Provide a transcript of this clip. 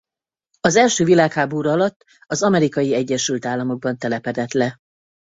Az első világháború alatt az Amerikai Egyesült Államokban telepedett le.